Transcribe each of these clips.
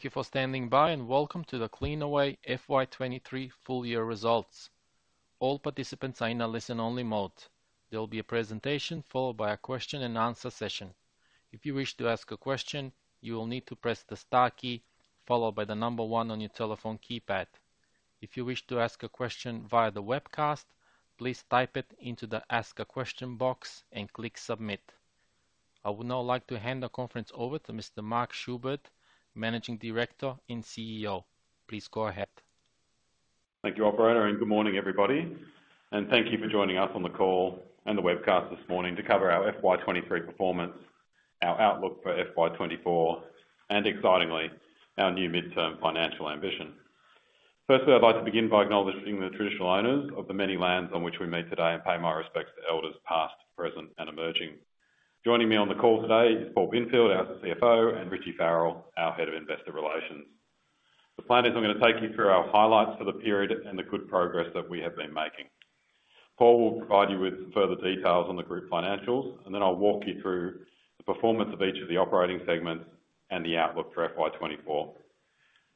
Thank you for standing by. Welcome to the Cleanaway FY23 full year results. All participants are in a listen-only mode. There will be a presentation followed by a question and answer session. If you wish to ask a question, you will need to press the star key followed by the number 1 on your telephone keypad. If you wish to ask a question via the webcast, please type it into the Ask a Question box and click Submit. I would now like to hand the conference over to Mr. Mark Schubert, Managing Director and CEO. Please go ahead. Thank you, operator, good morning, everybody, thank you for joining us on the call and the webcast this morning to cover our FY23 performance, our outlook for FY24, and excitingly, our new midterm financial ambition. Firstly, I'd like to begin by acknowledging the traditional owners of the many lands on which we meet today and pay my respects to elders, past, present, and emerging. Joining me on the call today is Paul Binfield, our CFO, Richie Farrell, our Head of Investor Relations. The plan is I'm going to take you through our highlights for the period and the good progress that we have been making. Paul will provide you with further details on the group financials, then I'll walk you through the performance of each of the operating segments and the outlook for FY24.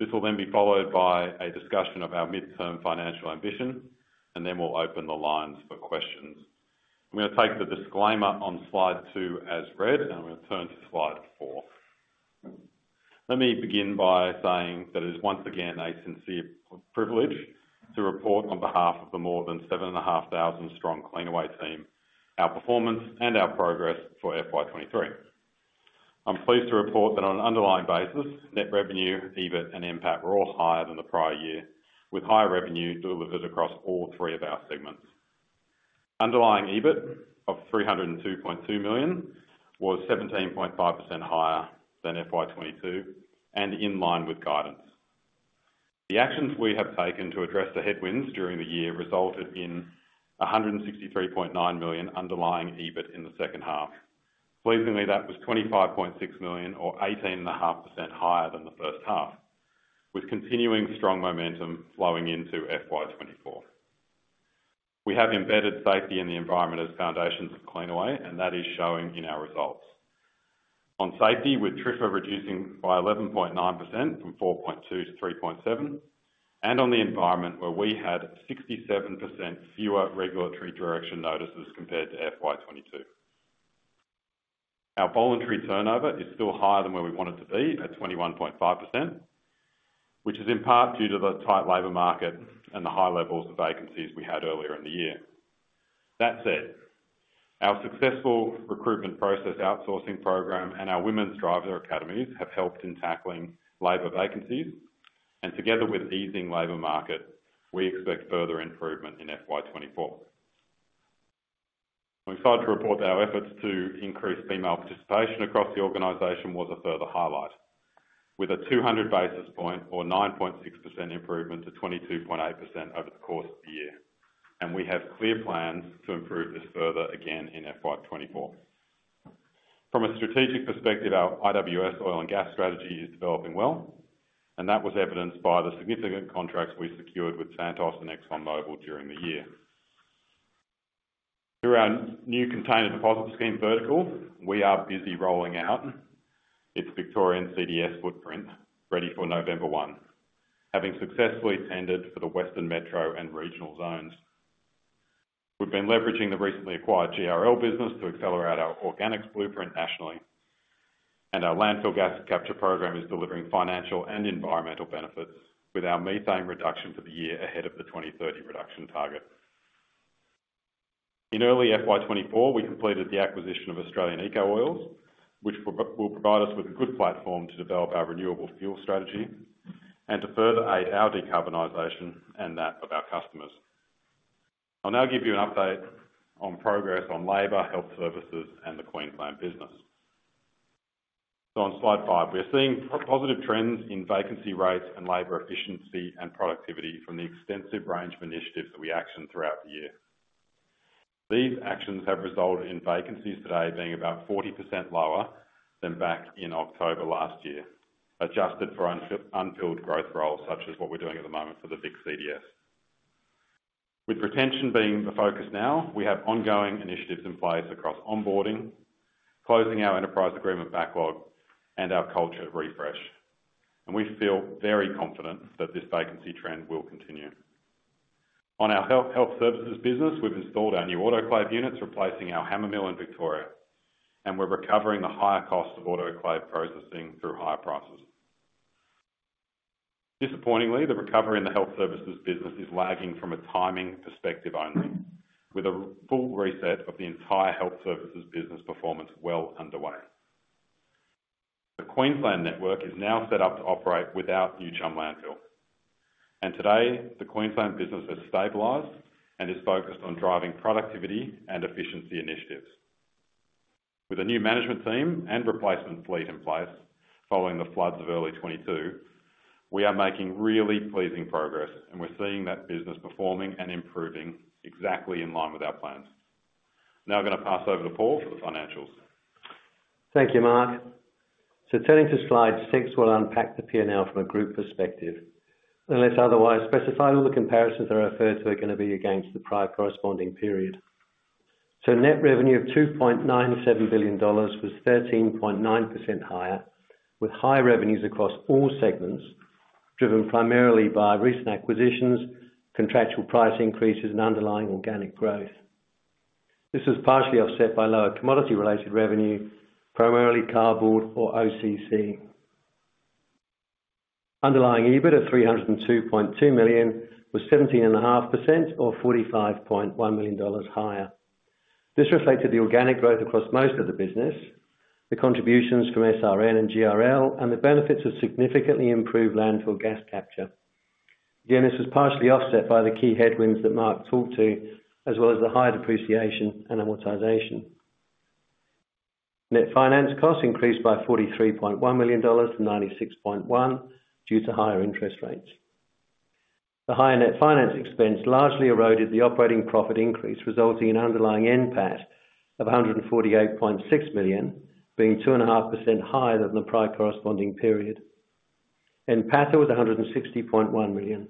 This will be followed by a discussion of our midterm financial ambition, then we'll open the lines for questions. I'm going to take the disclaimer on Slide 2 as read, I'm going to turn to Slide 4. Let me begin by saying that it is once again a sincere privilege to report on behalf of the more than 7,500 strong Cleanaway team, our performance and our progress for FY23. I'm pleased to report that on an underlying basis, net revenue, EBIT and NPAT were all higher than the prior year, with higher revenue delivered across all 3 of our segments. Underlying EBIT of 302.2 million, was 17.5% higher than FY22 and in line with guidance. The actions we have taken to address the headwinds during the year resulted in 163.9 million underlying EBIT in the second half. Pleasingly, that was 25.6 million or 18.5% higher than the first half, with continuing strong momentum flowing into FY24. We have embedded safety and the environment as foundations of Cleanaway, that is showing in our results. On safety, with TRIFR reducing by 11.9% from 4.2 to 3.7, on the environment where we had 67% fewer regulatory direction notices compared to FY22. Our voluntary turnover is still higher than where we want it to be at 21.5%, which is in part due to the tight labor market and the high levels of vacancies we had earlier in the year. That said, our successful recruitment process outsourcing program and our Women's Driver Academies have helped in tackling labor vacancies, and together with the easing labor market, we expect further improvement in FY24. I'm excited to report that our efforts to increase female participation across the organization was a further highlight, with a 200 basis point or 9.6% improvement to 22.8% over the course of the year. We have clear plans to improve this further again in FY24. From a strategic perspective, our IWS oil and gas strategy is developing well, and that was evidenced by the significant contracts we secured with Santos and ExxonMobil during the year. Through our new Container Deposit Scheme vertical, we are busy rolling out its Victorian CDS footprint ready for November 1, having successfully tendered for the Western Metro and regional zones. We've been leveraging the recently acquired GRL business to accelerate our organics blueprint nationally, and our landfill gas capture program is delivering financial and environmental benefits, with our methane reduction for the year ahead of the 2030 reduction target. In early FY24, we completed the acquisition of Australian Eco Oils, which will provide us with a good platform to develop our renewable fuel strategy and to further aid our decarbonization and that of our customers. I'll now give you an update on progress on labor, health services, and the Queensland business. On Slide 5, we are seeing positive trends in vacancy rates and labor efficiency and productivity from the extensive range of initiatives that we actioned throughout the year. These actions have resulted in vacancies today being about 40% lower than back in October last year, adjusted for unfilled growth roles, such as what we're doing at the moment for the CDS Vic. With retention being the focus now, we have ongoing initiatives in place across onboarding, closing our enterprise agreement backlog, and our culture refresh. We feel very confident that this vacancy trend will continue. On our health services business, we've installed our new autoclave units, replacing our hammermill in Victoria, and we're recovering the higher cost of autoclave processing through higher prices. Disappointingly, the recovery in the health services business is lagging from a timing perspective only, with a full reset of the entire health services business performance well underway. The Queensland network is now set up to operate without New Chum landfill. Today the Queensland business has stabilized and is focused on driving productivity and efficiency initiatives. With a new management team and replacement fleet in place following the floods of early 2022, we are making really pleasing progress, and we're seeing that business performing and improving exactly in line with our plans. Now I'm going to pass over to Paul for the financials. Thank you, Mark. Turning to Slide 6, we'll unpack the P&L from a group perspective. Unless otherwise specified, all the comparisons are referred to are going to be against the prior corresponding period. Net revenue of 2.97 billion dollars was 13.9% higher, with higher revenues across all segments, driven primarily by recent acquisitions, contractual price increases, and underlying organic growth. This was partially offset by lower commodity-related revenue, primarily cardboard or OCC. Underlying EBIT of 302.2 million was 17.5%, or 45.1 million dollars higher. This reflected the organic growth across most of the business, the contributions from SRN and GRL, and the benefits of significantly improved landfill gas capture. This was partially offset by the key headwinds that Mark talked to, as well as the higher depreciation and amortization. Net finance costs increased by 43.1 million dollars to 96.1 million, due to higher interest rates. The higher net finance expense largely eroded the operating profit increase, resulting in underlying NPAT of 148.6 million, being 2.5% higher than the prior corresponding period. NPATA was 160.1 million.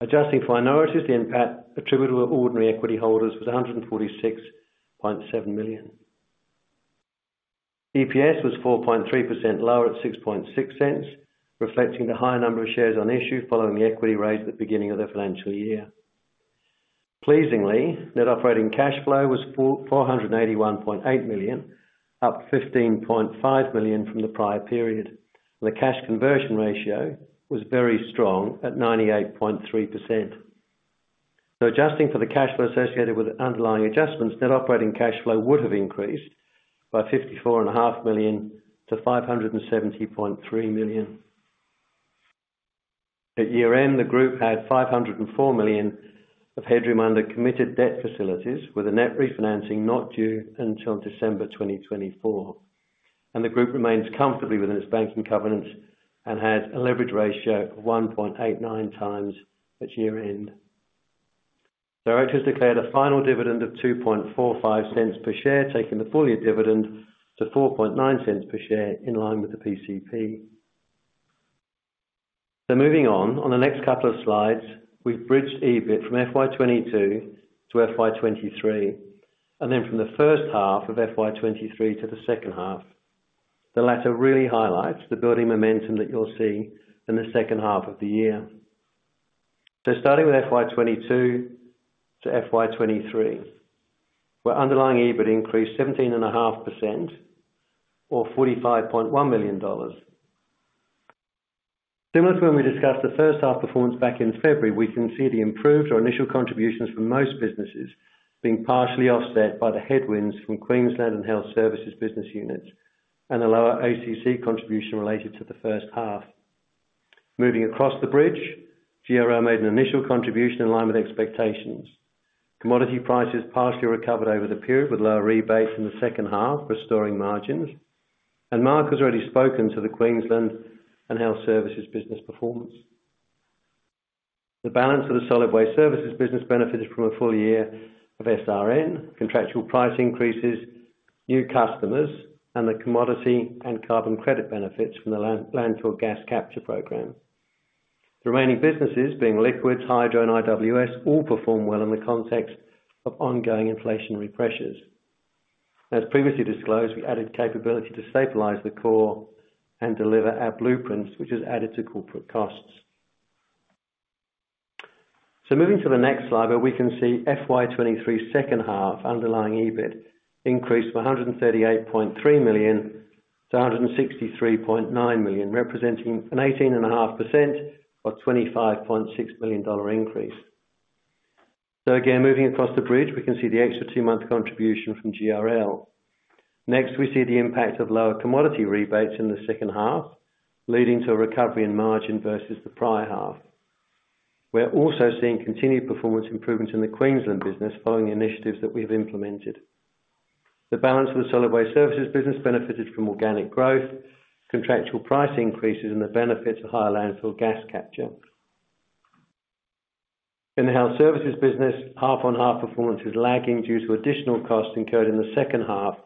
Adjusting for minorities, the NPAT attributable to ordinary equity holders was 146.7 million. EPS was 4.3% lower at 0.066, reflecting the higher number of shares on issue following the equity raise at the beginning of the financial year. Pleasingly, net operating cash flow was 481.8 million, up 15.5 million from the prior period. The cash conversion ratio was very strong at 98.3%. Adjusting for the cash flow associated with underlying adjustments, net operating cash flow would have increased by 54.5 million to 570.3 million. At year-end, the group had 504 million of headroom under committed debt facilities, with a net refinancing not due until December 2024. The group remains comfortably within its banking covenants and has a leverage ratio of 1.89x its year end. Directors declared a final dividend of 0.0245 per share, taking the full year dividend to 0.049 per share in line with the PCP. Moving on, on the next couple of slides, we've bridged EBIT from FY22 to FY23, and then from the first half of FY23 to the second half. The latter really highlights the building momentum that you'll see in the second half of the year. Starting with FY22 to FY23, where underlying EBIT increased 17.5% or 45.1 million dollars. Similar to when we discussed the first half performance back in February, we can see the improved or initial contributions from most businesses being partially offset by the headwinds from Queensland and Health Services business units and a lower OCC contribution related to the first half. Moving across the bridge, GRL made an initial contribution in line with expectations. Commodity prices partially recovered over the period, with lower rebates in the second half, restoring margins. Mark has already spoken to the Queensland and Health Services business performance. The balance of the Solid Waste Services business benefited from a full year of SRN, contractual price increases, new customers, and the commodity and carbon credit benefits from the land, landfill gas capture program. The remaining businesses, being Liquids, Hydro, and IWS, all perform well in the context of ongoing inflationary pressures. As previously disclosed, we added capability to stabilize the core and deliver our blueprints, which has added to corporate costs. Moving to the next slide, where we can see FY23 second half underlying EBIT increased from 138.3 million to 163.9 million, representing an 18.5% or 25.6 million dollar increase. Again, moving across the bridge, we can see the extra two-month contribution from GRL. Next, we see the impact of lower commodity rebates in the second half, leading to a recovery in margin versus the prior half. We're also seeing continued performance improvements in the Queensland business following the initiatives that we've implemented. The balance of the Solid Waste Services business benefited from organic growth, contractual price increases, and the benefits of higher landfill gas capture. In the health services business, half-on-half performance is lagging due to additional costs incurred in the second half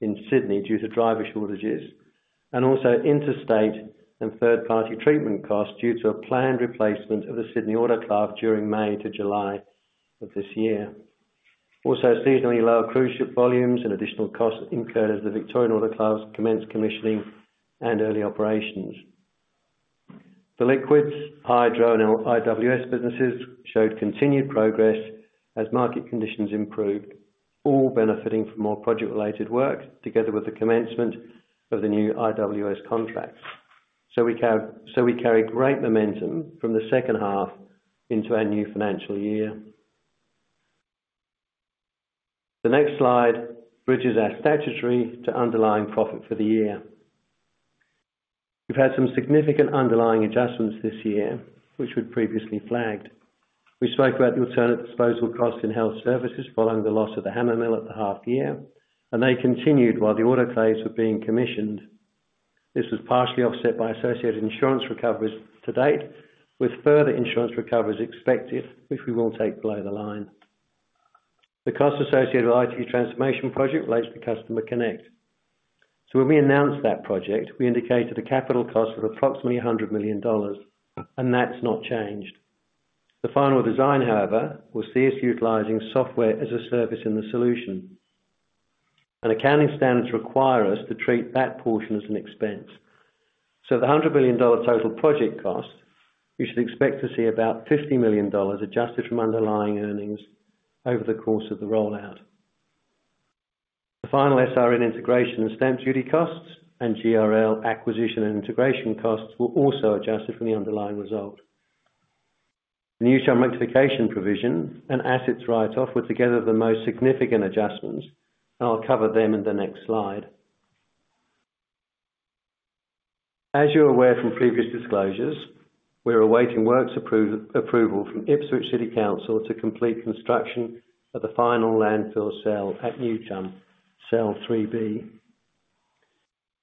in Sydney due to driver shortages, and also interstate and third-party treatment costs due to a planned replacement of the Sydney autoclave during May to July of this year. Also, seasonally lower cruise ship volumes and additional costs incurred as the Victorian autoclaves commenced commissioning and early operations. The liquids, Hydro and IWS businesses showed continued progress as market conditions improved, all benefiting from more project-related work, together with the commencement of the new IWS contract. We carry great momentum from the second half into our new financial year. The next slide bridges our statutory to underlying profit for the year. We've had some significant underlying adjustments this year, which we've previously flagged. We spoke about the alternate disposal costs in health services following the loss of the hammer mill at the half year. They continued while the autoclaves were being commissioned. This was partially offset by associated insurance recoveries to date, with further insurance recoveries expected, which we will take below the line. The costs associated with IT transformation project relates to CustomerConnect.... When we announced that project, we indicated a capital cost of approximately 100 million dollars, and that's not changed. The final design, however, will see us utilizing software as a service in the solution. Accounting standards require us to treat that portion as an expense. The 100 million dollar total project cost, you should expect to see about 50 million dollars adjusted from underlying earnings over the course of the rollout. The final SRN integration and stamp duty costs and GRL acquisition and integration costs will also adjust it from the underlying result. The New Chum rectification provision and assets write-off were together the most significant adjustments, and I'll cover them in the next slide. As you're aware from previous disclosures, we are awaiting works approval from Ipswich City Council to complete construction of the final landfill cell at New Chum, Cell 3B.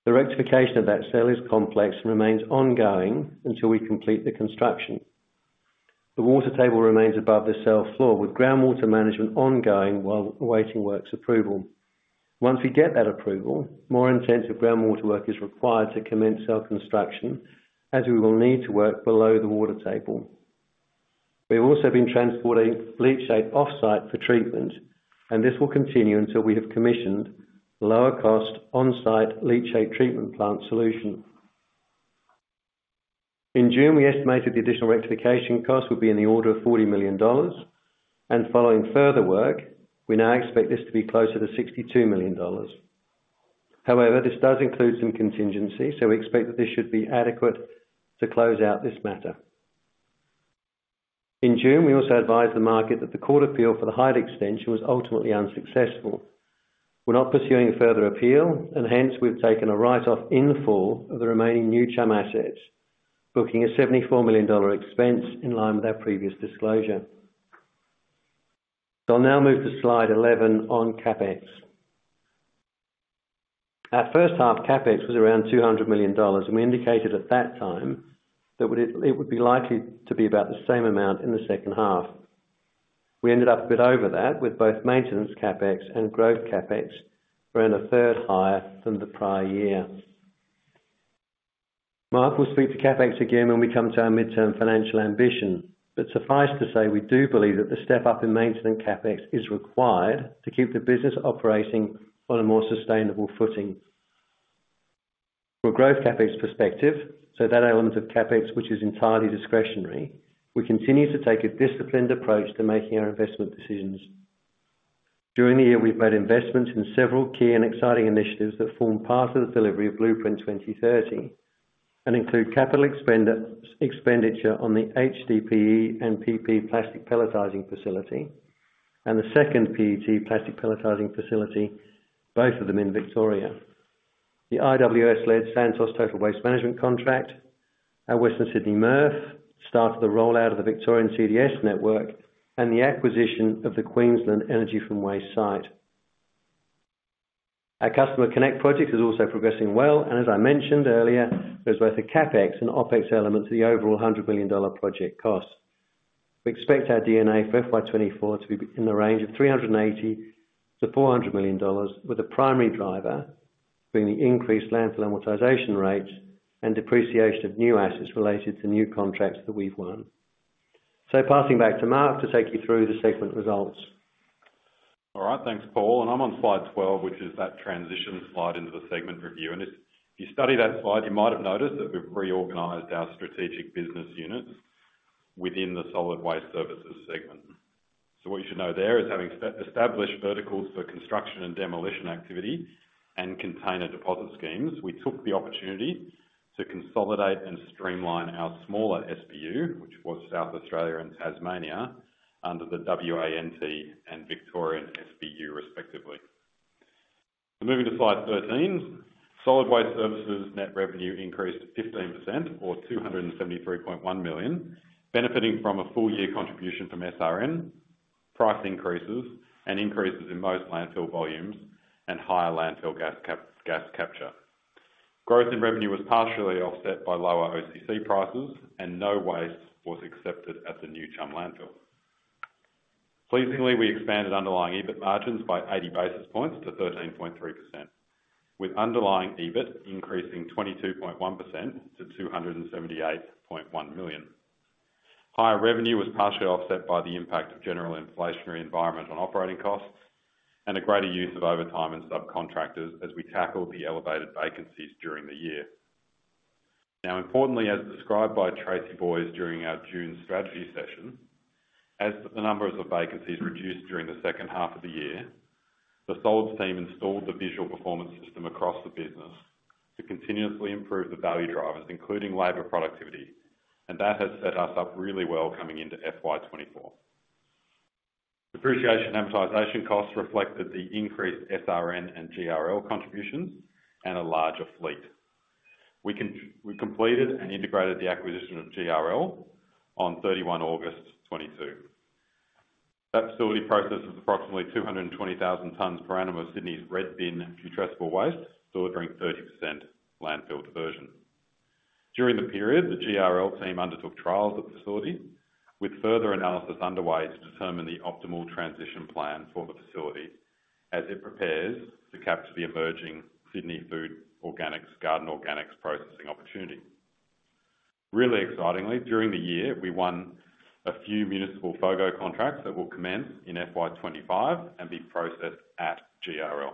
The rectification of that cell is complex and remains ongoing until we complete the construction. The water table remains above the cell floor, with groundwater management ongoing while awaiting works approval. Once we get that approval, more intensive groundwater work is required to commence cell construction, as we will need to work below the water table. We have also been transporting leachate off-site for treatment, this will continue until we have commissioned the lower cost on-site leachate treatment plant solution. In June, we estimated the additional rectification cost would be in the order of 40 million dollars, following further work, we now expect this to be closer to 62 million dollars. However, this does include some contingency, so we expect that this should be adequate to close out this matter. In June, we also advised the market that the court appeal for the height extension was ultimately unsuccessful. We're not pursuing a further appeal, and hence we've taken a write-off in the fall of the remaining New Chum assets, booking a AUD 74 million expense in line with our previous disclosure. I'll now move to Slide 11 on CapEx. Our first half CapEx was around 200 million dollars, and we indicated at that time that it would be likely to be about the same amount in the second half. We ended up a bit over that, with both maintenance CapEx and growth CapEx around a third higher than the prior year. Mark will speak to CapEx again when we come to our midterm financial ambition, but suffice to say, we do believe that the step up in maintenance CapEx is required to keep the business operating on a more sustainable footing. From a growth CapEx perspective, so that element of CapEx, which is entirely discretionary, we continue to take a disciplined approach to making our investment decisions. During the year, we've made investments in several key and exciting initiatives that form part of the delivery of Blueprint 2030, and include capital expenditure on the HDPE and PP plastic pelletizing facility and the second PET plastic pelletizing facility, both of them in Victoria. The IWS-led Santos total waste management contract, our Western Sydney MRF, start of the rollout of the Victorian CDS network, and the acquisition of the Queensland Riverview waste site. Our CustomerConnect project is also progressing well, as I mentioned earlier, there's both a CapEx and OpEx element to the overall 100 million dollar project cost. We expect our D&A for FY24 to be in the range of 380 million-400 million dollars, with the primary driver being the increased landfill amortization rates and depreciation of new assets related to new contracts that we've won. Passing back to Mark to take you through the segment results. All right, thanks, Paul. I'm on Slide 12, which is that transition slide into the segment review. If you study that slide, you might have noticed that we've reorganized our strategic business units within the Solid Waste Services segment. What you should know there is, having established verticals for construction and demolition activity and Container Deposit Schemes, we took the opportunity to consolidate and streamline our smaller SBU, which was South Australia and Tasmania, under the WA/NT and Victorian SBU, respectively. Moving to Slide 13. Solid Waste Services net revenue increased 15% or 273.1 million, benefiting from a full year contribution from SRN, price increases and increases in most landfill volumes and higher landfill gas capture. Growth in revenue was partially offset by lower OCC prices, and no waste was accepted at the New Chum landfill. Pleasingly, we expanded underlying EBIT margins by 80 basis points to 13.3%, with underlying EBIT increasing 22.1% to 278.1 million. Higher revenue was partially offset by the impact of general inflationary environment on operating costs and a greater use of overtime and subcontractors as we tackled the elevated vacancies during the year. Importantly, as described by Tracey Boyes during our June strategy session, as the numbers of vacancies reduced during the second half of the year, the solids team installed the visual performance system across the business to continuously improve the value drivers, including labor productivity. That has set us up really well coming into FY24. Depreciation and amortization costs reflected the increased SRN and GRL contributions and a larger fleet. We completed and integrated the acquisition of GRL on 31 August 2022. That facility processes approximately 220,000 tons per annum of Sydney's red bin putrescible waste, delivering 30% landfill diversion. During the period, the GRL team undertook trials at the facility, with further analysis underway to determine the optimal transition plan for the facility, as it prepares to capture the emerging Sydney food organics, garden organics processing opportunity. Really excitingly, during the year, we won a few municipal FOGO contracts that will commence in FY25 and be processed at GRL.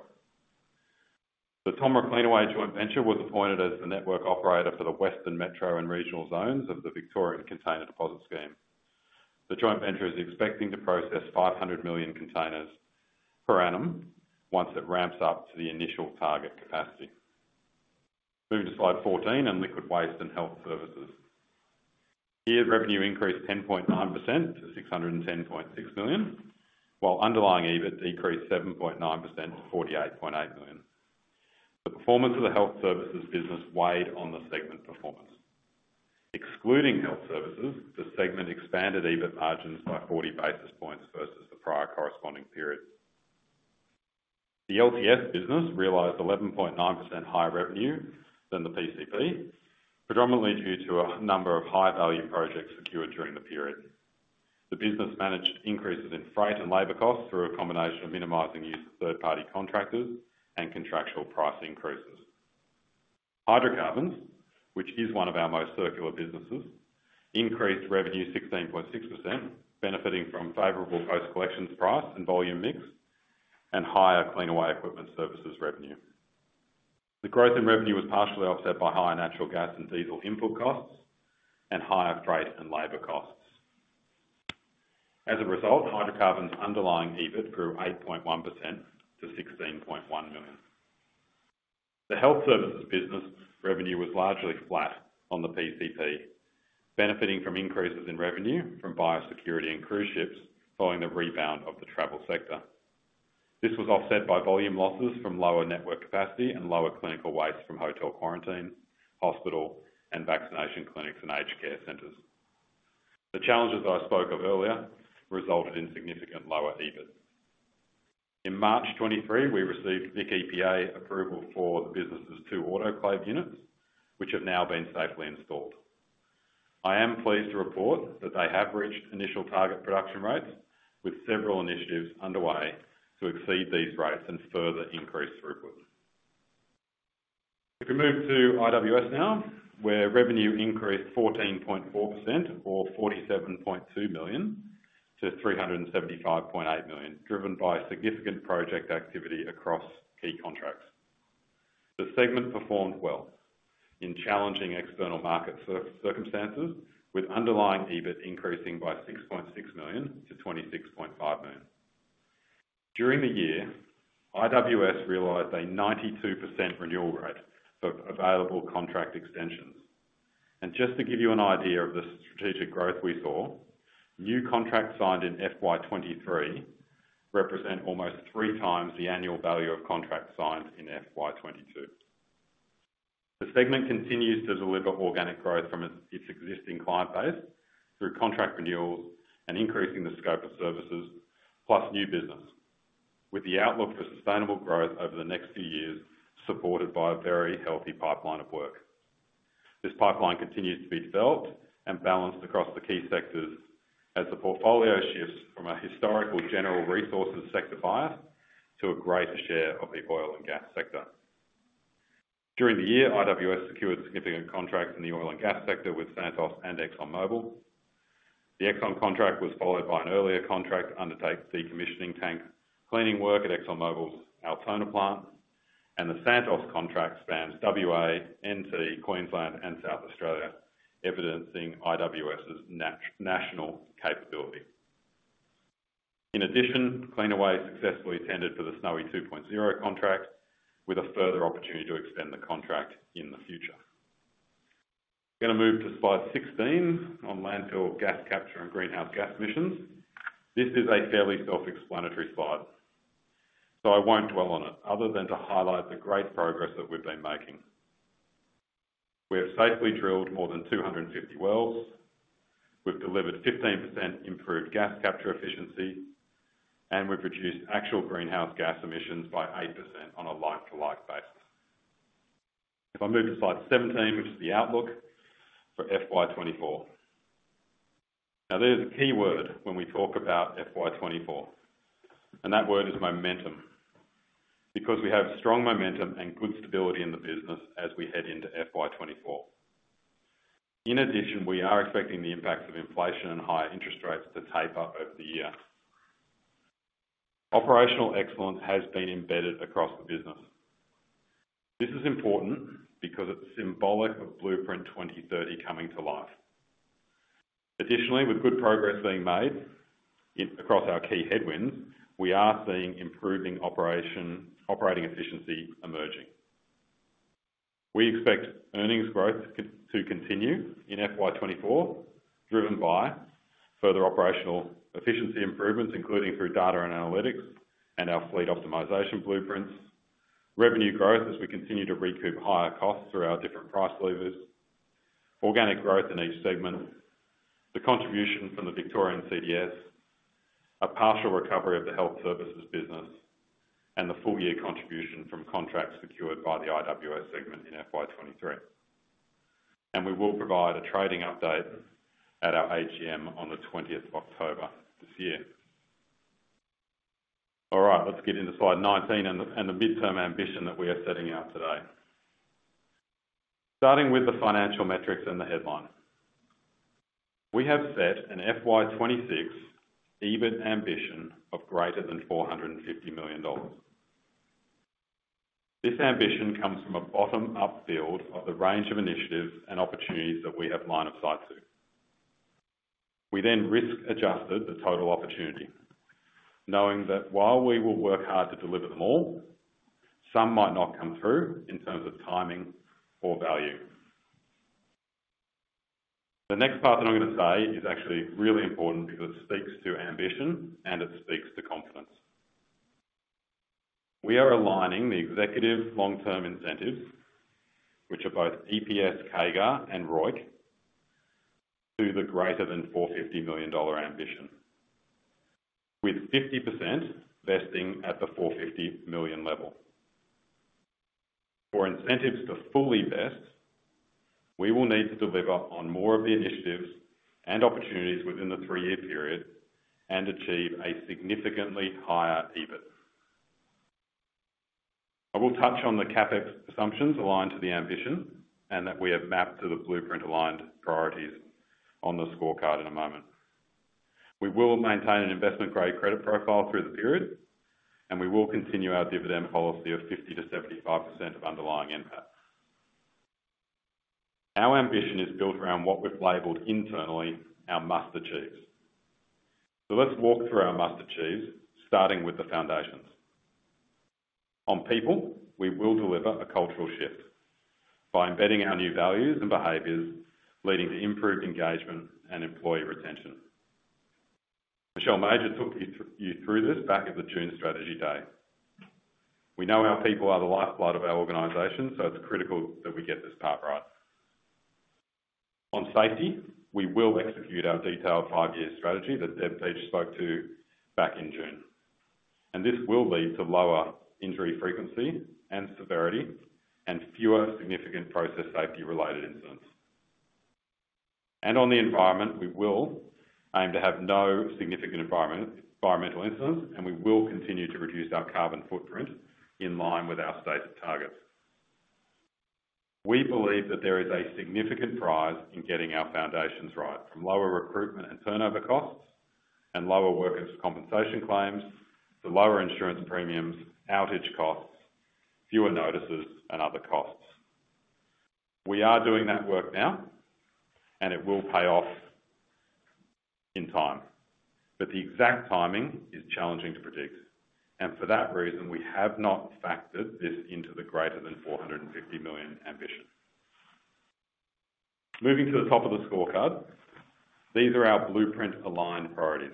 The TOMRA Cleanaway joint venture was appointed as the network operator for the Western Metro and regional zones of Victoria's Container Deposit Scheme. The joint venture is expecting to process 500 million containers per annum, once it ramps up to the initial target capacity. Moving to Slide 14, on Liquid Waste & Health Services. Year revenue increased 10.9% to 610.6 million, while underlying EBIT decreased 7.9% to 48.8 million. The performance of the Health Services business weighed on the segment performance. Excluding Health Services, the segment expanded EBIT margins by 40 basis points versus the prior corresponding period. The LTS business realized 11.9% higher revenue than the PCP, predominantly due to a number of high-value projects secured during the period. The business managed increases in freight and labor costs through a combination of minimizing use of third-party contractors and contractual price increases. Hydrocarbons, which is one of our most circular businesses, increased revenue 16.6%, benefiting from favorable post collections price and volume mix, and higher Cleanaway Equipment Services revenue. The growth in revenue was partially offset by higher natural gas and diesel input costs, and higher freight and labor costs. As a result, Hydrocarbons' underlying EBIT grew 8.1% to 16.1 million. The health services business revenue was largely flat on the PCP, benefiting from increases in revenue from biosecurity and cruise ships following the rebound of the travel sector. This was offset by volume losses from lower network capacity and lower clinical waste from hotel quarantine, hospital, and vaccination clinics, and aged care centers. The challenges I spoke of earlier resulted in significant lower EBIT. In March 2023, we received the EPA approval for the business' two autoclave units, which have now been safely installed. I am pleased to report that they have reached initial target production rates, with several initiatives underway to exceed these rates and further increase throughput. If we move to IWS now, where revenue increased 14.4% or 47.2 million to 375.8 million, driven by significant project activity across key contracts. The segment performed well in challenging external market circumstances, with underlying EBIT increasing by 6.6 million to 26.5 million. During the year, IWS realized a 92% renewal rate of available contract extensions. Just to give you an idea of the strategic growth we saw, new contracts signed in FY23 represent almost 3 times the annual value of contracts signed in FY22. The segment continues to deliver organic growth from its, its existing client base through contract renewals and increasing the scope of services, plus new business, with the outlook for sustainable growth over the next few years, supported by a very healthy pipeline of work. This pipeline continues to be developed and balanced across the key sectors as the portfolio shifts from a historical general resources sector buyer to a greater share of the oil and gas sector. During the year, IWS secured significant contracts in the oil and gas sector with Santos and ExxonMobil. The ExxonMobil contract was followed by an earlier contract to undertake decommissioning tank cleaning work at ExxonMobil's Altona plant. The Santos contract spans WA, NT, Queensland, and South Australia, evidencing IWS's national capability. In addition, Cleanaway successfully tendered for the Snowy 2.0 contract with a further opportunity to extend the contract in the future. I'm gonna move to Slide 16 on landfill gas capture and greenhouse gas emissions. This is a fairly self-explanatory slide, so I won't dwell on it other than to highlight the great progress that we've been making. We have safely drilled more than 250 wells. We've delivered 15% improved gas capture efficiency, and we've reduced actual greenhouse gas emissions by 8% on a like-to-like basis. If I move to Slide 17, which is the outlook for FY24. Now, there's a key word when we talk about FY24, and that word is momentum. Because we have strong momentum and good stability in the business as we head into FY24. In addition, we are expecting the impacts of inflation and higher interest rates to taper over the year. Operational excellence has been embedded across the business. This is important because it's symbolic of Blueprint 2030 coming to life. Additionally, with good progress being made across our key headwinds, we are seeing improving operating efficiency emerging. We expect earnings growth to continue in FY24, driven by further operational efficiency improvements, including through data and analytics and our fleet optimization blueprints, revenue growth as we continue to recoup higher costs through our different price levers, organic growth in each segment, the contribution from the Victorian CDS, a partial recovery of the health services business and the full year contribution from contracts secured by the IWS segment in FY23. We will provide a trading update at our AGM on the 20th of October this year. All right, let's get into Slide 19 and the midterm ambition that we are setting out today. Starting with the financial metrics and the headline. We have set an FY26 EBIT ambition of greater than 450 million dollars. This ambition comes from a bottom-up build of the range of initiatives and opportunities that we have line of sight to. We then risk-adjusted the total opportunity, knowing that while we will work hard to deliver them all, some might not come through in terms of timing or value. The next part that I'm gonna say is actually really important because it speaks to ambition and it speaks to confidence. We are aligning the executive long-term incentives, which are both EPS, CAGR, and ROIC, to the greater than 450 million dollar ambition, with 50% vesting at the 450 million level. For incentives to fully vest, we will need to deliver on more of the initiatives and opportunities within the three-year period and achieve a significantly higher EBIT. I will touch on the CapEx assumptions aligned to the ambition and that we have mapped to the blueprint aligned priorities on the scorecard in a moment. We will maintain an investment-grade credit profile through the period, and we will continue our dividend policy of 50%-75% of underlying NPAT. Our ambition is built around what we've labeled internally, our Must Achieves. Let's walk through our must achieves, starting with the foundations. On people, we will deliver a cultural shift by embedding our new values and behaviors, leading to improved engagement and employee retention. Michele Mauger took you through this back at the June Strategy Day. We know our people are the lifeblood of our organization, so it's critical that we get this part right. On safety, we will execute our detailed 5-year strategy that Deborah Peach spoke to back in June. This will lead to lower injury frequency and severity, and fewer significant process safety related incidents. On the environment, we will aim to have no significant environmental incidents, and we will continue to reduce our carbon footprint in line with our stated targets. We believe that there is a significant prize in getting our foundations right, from lower recruitment and turnover costs, and lower workers' compensation claims to lower insurance premiums, outage costs, fewer notices, and other costs. We are doing that work now, and it will pay off in time, but the exact timing is challenging to predict, and for that reason, we have not factored this into the greater than 450 million ambition. Moving to the top of the scorecard, these are our Blueprint-aligned priorities.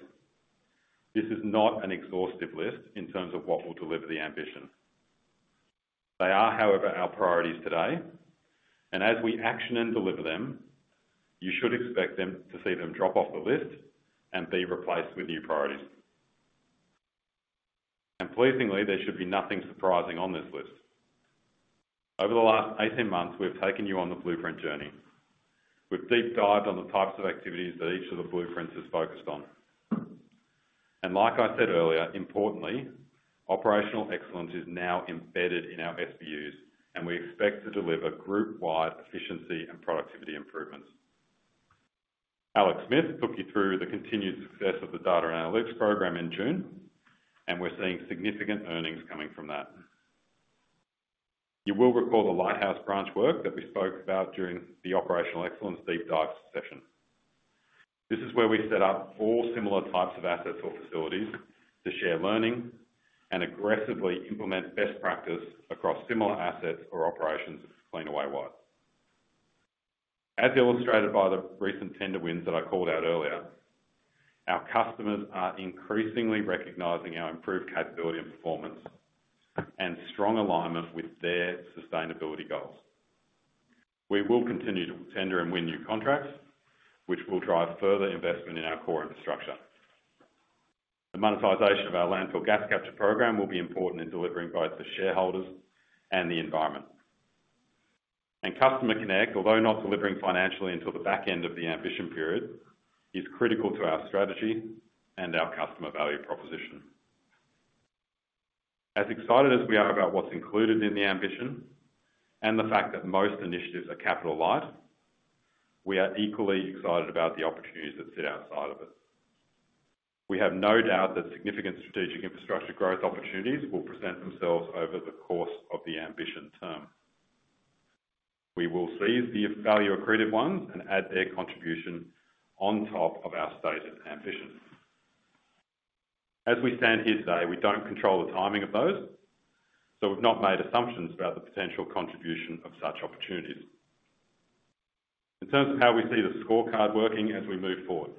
This is not an exhaustive list in terms of what will deliver the ambition. They are, however, our priorities today, and as we action and deliver them, you should expect them to see them drop off the list and be replaced with new priorities. Pleasingly, there should be nothing surprising on this list. Over the last 18 months, we've taken you on the blueprint journey. We've deep dived on the types of activities that each of the blueprints is focused on. Like I said earlier, importantly, operational excellence is now embedded in our SBUs, and we expect to deliver group-wide efficiency and productivity improvements. Alex Smith took you through the continued success of the data analytics program in June, and we're seeing significant earnings coming from that. You will recall the Lighthouse branch work that we spoke about during the operational excellence deep dive session. This is where we set up four similar types of assets or facilities to share learning and aggressively implement best practice across similar assets or operations Cleanaway-wide. As illustrated by the recent tender wins that I called out earlier, our customers are increasingly recognizing our improved capability and performance, and strong alignment with their sustainability goals. We will continue to tender and win new contracts, which will drive further investment in our core infrastructure. The monetization of our landfill gas capture program will be important in delivering both the shareholders and the environment. CustomerConnect, although not delivering financially until the back end of the ambition period, is critical to our strategy and our customer value proposition. As excited as we are about what's included in the ambition and the fact that most initiatives are capital light, we are equally excited about the opportunities that sit outside of it. We have no doubt that significant strategic infrastructure growth opportunities will present themselves over the course of the ambition term. We will seize the value accretive ones and add their contribution on top of our stated ambition. As we stand here today, we don't control the timing of those, so we've not made assumptions about the potential contribution of such opportunities. In terms of how we see the scorecard working as we move forward.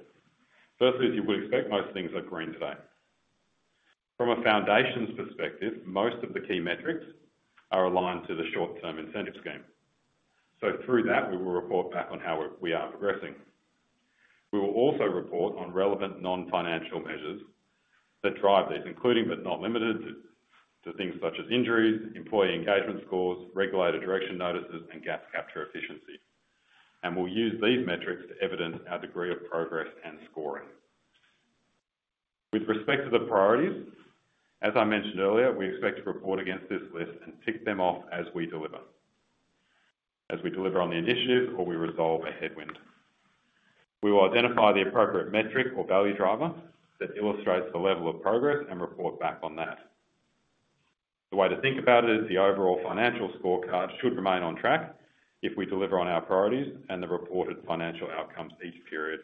Firstly, you would expect most things are green today. From a foundations perspective, most of the key metrics are aligned to the short-term incentive scheme. Through that, we will report back on how we are progressing. We will also report on relevant non-financial measures that drive these, including but not limited to, things such as injuries, employee engagement scores, regulator direction notices, and gas capture efficiency. We'll use these metrics to evidence our degree of progress and scoring. With respect to the priorities, as I mentioned earlier, we expect to report against this list and tick them off as we deliver. As we deliver on the initiative or we resolve a headwind. We will identify the appropriate metric or value driver that illustrates the level of progress and report back on that. The way to think about it is, the overall financial scorecard should remain on track if we deliver on our priorities, and the reported financial outcomes each period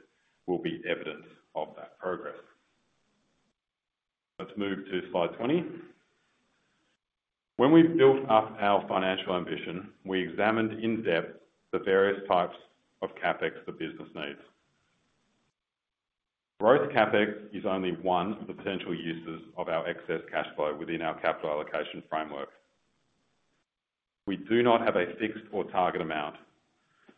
will be evidence of that progress. Let's move to Slide 20. When we built up our financial ambition, we examined in depth the various types of CapEx the business needs. Growth CapEx is only one of the potential uses of our excess cash flow within our capital allocation framework. We do not have a fixed or target amount,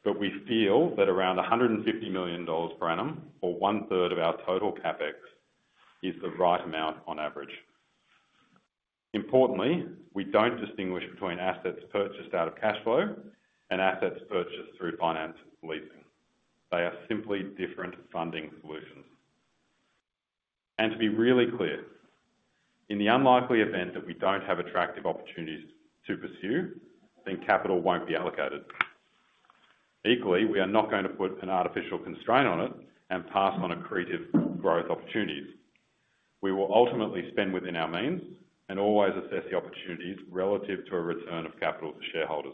but we feel that around $150 million per annum or one-third of our total CapEx is the right amount on average. Importantly, we don't distinguish between assets purchased out of cash flow and assets purchased through finance leasing. They are simply different funding solutions. To be really clear, in the unlikely event that we don't have attractive opportunities to pursue, then capital won't be allocated. Equally, we are not going to put an artificial constraint on it and pass on accretive growth opportunities. We will ultimately spend within our means and always assess the opportunities relative to a return of capital to shareholders.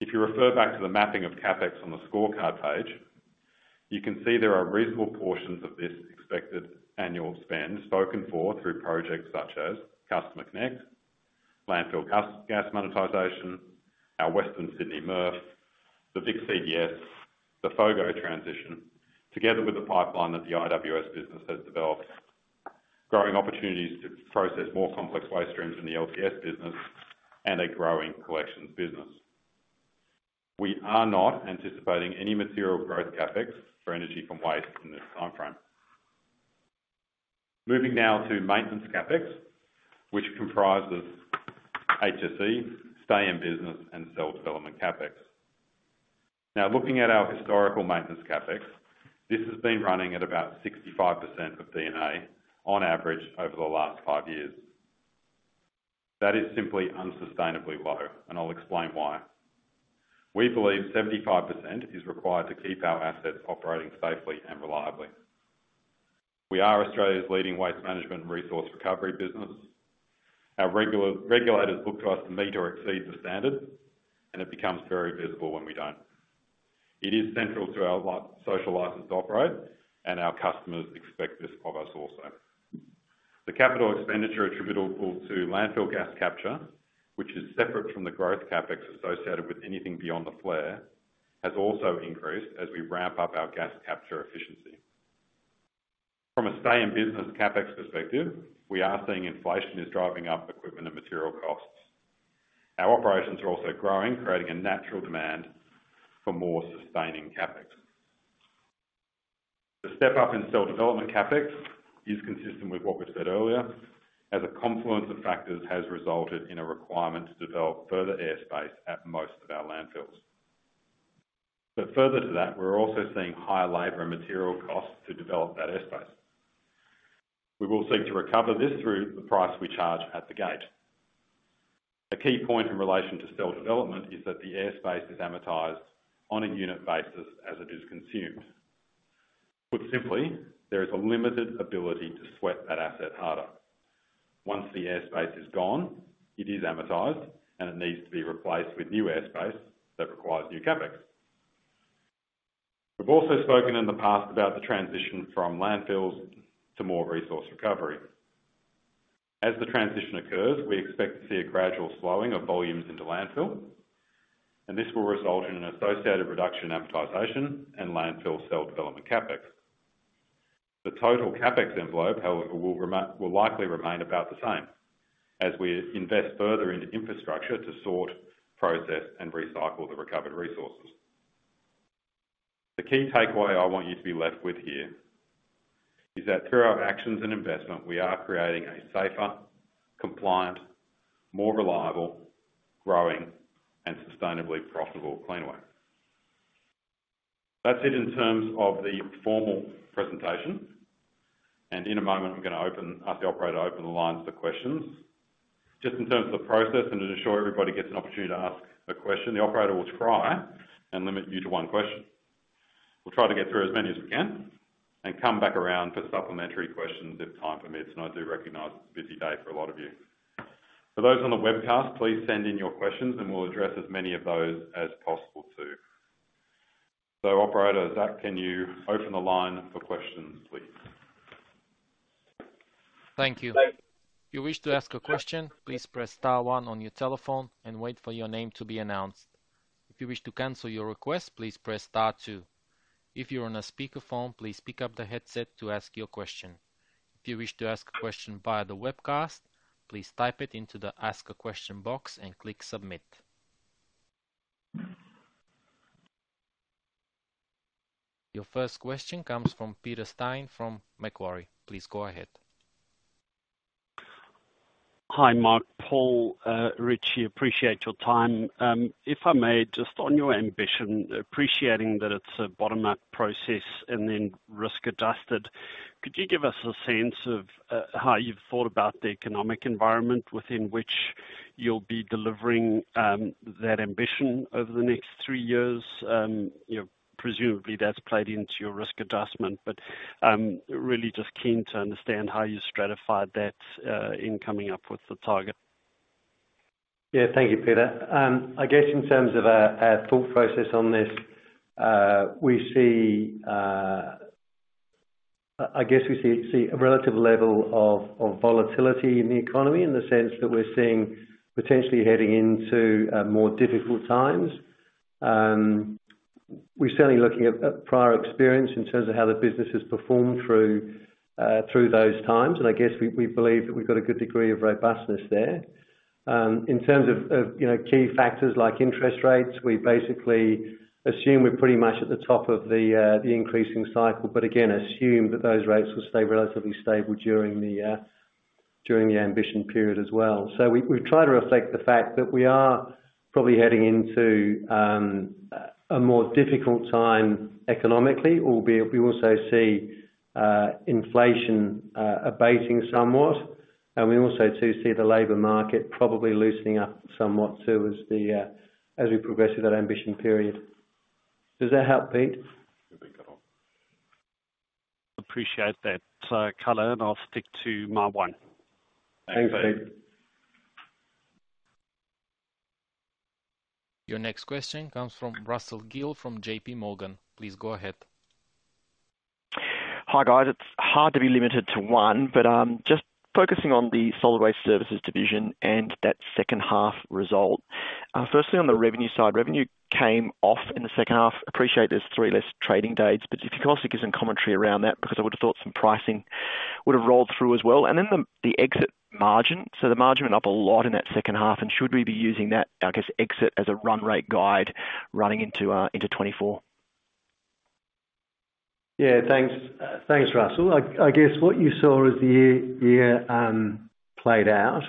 If you refer back to the mapping of CapEx on the scorecard page, you can see there are reasonable portions of this expected annual spend spoken for through projects such as CustomerConnect, landfill gas, gas monetization, our Western Sydney MRF, the Vic CDS, the FOGO transition, together with the pipeline that the IWS business has developed, growing opportunities to process more complex waste streams in the LHS business, and a growing collections business. We are not anticipating any material growth CapEx for energy from waste in this timeframe. Moving now to maintenance CapEx, which comprises HSE, stay in business, and cell development CapEx. Looking at our historical maintenance CapEx, this has been running at about 65% of D&A on average over the last 5 years. That is simply unsustainably low, and I'll explain why. We believe 75% is required to keep our assets operating safely and reliably. We are Australia's leading waste management and resource recovery business. Our regulators look to us to meet or exceed the standard, and it becomes very visible when we don't. It is central to our social license to operate, and our customers expect this of us also. The capital expenditure attributable to landfill gas capture, which is separate from the growth CapEx associated with anything beyond the flare, has also increased as we ramp up our gas capture efficiency. From a stay in business CapEx perspective, we are seeing inflation is driving up equipment and material costs. Our operations are also growing, creating a natural demand for more sustaining CapEx. The step up in cell development CapEx is consistent with what we said earlier, as a confluence of factors has resulted in a requirement to develop further airspace at most of our landfills. Further to that, we're also seeing higher labor and material costs to develop that airspace. We will seek to recover this through the price we charge at the gate. A key point in relation to cell development is that the airspace is amortized on a unit basis as it is consumed. Put simply, there is a limited ability to sweat that asset harder. Once the airspace is gone, it is amortized, and it needs to be replaced with new airspace that requires new CapEx. We've also spoken in the past about the transition from landfills to more resource recovery. As the transition occurs, we expect to see a gradual slowing of volumes into landfill, and this will result in an associated reduction in amortization and landfill cell development CapEx. The total CapEx envelope, however, will likely remain about the same as we invest further into infrastructure to sort, process, and recycle the recovered resources. The key takeaway I want you to be left with here is that through our actions and investment, we are creating a safer, compliant, more reliable, growing, and sustainably profitable Cleanaway. That's it in terms of the formal presentation, and in a moment, I'm gonna open, ask the operator to open the lines for questions. Just in terms of the process and to ensure everybody gets an opportunity to ask a question, the operator will try and limit you to one question. We'll try to get through as many as we can and come back around for supplementary questions if time permits, and I do recognize it's a busy day for a lot of you. For those on the webcast, please send in your questions, and we'll address as many of those as possible, too. Operator Zach, can you open the line for questions, please? Thank you. If you wish to ask a question, please press star one on your telephone and wait for your name to be announced. If you wish to cancel your request, please press star two. If you're on a speakerphone, please pick up the headset to ask your question. If you wish to ask a question via the webcast, please type it into the Ask a Question box and click Submit. Your first question comes from Peter Steyn from Macquarie. Please go ahead. Hi, Mark, Paul, Paul, Richie, appreciate your time. If I may, just on your ambition, appreciating that it's a bottom-up process and then risk-adjusted, could you give us a sense of how you've thought about the economic environment within which you'll be delivering that ambition over the next 3 years? You know, presumably that's played into your risk adjustment, but really just keen to understand how you stratified that in coming up with the target. Yeah. Thank you, Peter. I guess in terms of our, our thought process on this, we see, I guess we see, see a relative level of, of volatility in the economy, in the sense that we're seeing potentially heading into more difficult times. We're certainly looking at, at prior experience in terms of how the business has performed through through those times, and I guess we, we believe that we've got a good degree of robustness there. In terms of, of, you know, key factors like interest rates, we basically assume we're pretty much at the top of the increasing cycle, but again, assume that those rates will stay relatively stable during the during the ambition period as well. We, we try to reflect the fact that we are probably heading into a more difficult time economically, albeit we also see inflation abating somewhat, and we also too see the labor market probably loosening up somewhat too, as we progress through that ambition period. Does that help, Pete? I appreciate that, color, and I'll stick to my one. Thanks, Pete. Your next question comes from Russell Gill from J.P. Morgan. Please go ahead. Hi, guys. It's hard to be limited to one, but just focusing on the Solid Waste Services division and that second half result. Firstly, on the revenue side, revenue came off in the second half. I appreciate there's three less trading dates, but if you can also give some commentary around that, because I would have thought some pricing would have rolled through as well. Then the, the exit margin. The margin went up a lot in that second half, and should we be using that, I guess, exit as a run rate guide running into 2024? Yeah, thanks. Thanks, Russell. I guess what you saw as the year played out,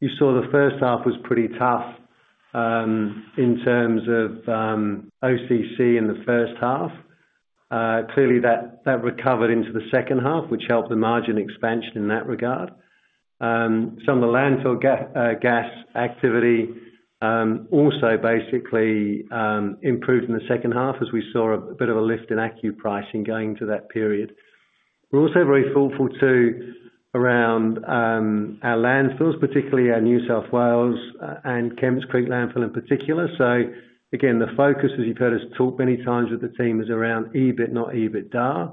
you saw the first half was pretty tough in terms of OCC in the first half. Clearly, that recovered into the second half, which helped the margin expansion in that regard. Some of the landfill gas activity also basically improved in the second half as we saw a bit of a lift in ACCU pricing going into that period. We're also very thoughtful, too, around our landfills, particularly our New South Wales and Kemps Creek Landfill in particular. Again, the focus, as you've heard us talk many times with the team, is around EBIT, not EBITDA,